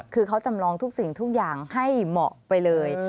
คือเขาจำลองทุกสิ่งทุกอย่างให้เหมาะไปเลย